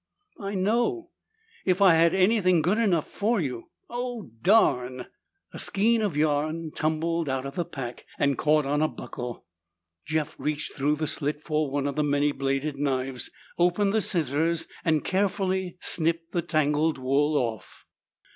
"I know. If I had anything good enough for you Oh, darn!" A skein of yarn tumbled out of the pack and caught on a buckle. Jeff reached through the slit for one of the many bladed knives, opened the scissors, and carefully snipped the tangled wool off.